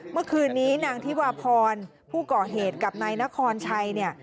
เมื่อคืนนี้นางธิวาพรผู้ก่อเหตุกับนายนครชัยเนี่ย